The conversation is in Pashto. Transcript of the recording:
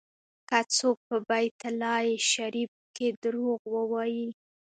که څوک په بیت الله شریف کې دروغ ووایي.